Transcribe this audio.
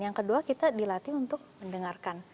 yang kedua kita dilatih untuk mendengarkan